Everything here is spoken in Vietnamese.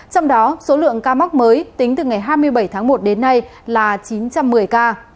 trong đó số lượng ca mắc mới tính từ ngày hai mươi bảy tháng một đến nay là chín trăm một mươi ca